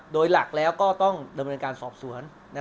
โดยหลักแล้วก็ต้องดำเนินการสอบสวน